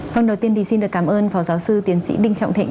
vâng đầu tiên thì xin được cảm ơn phó giáo sư tiến sĩ đinh trọng thịnh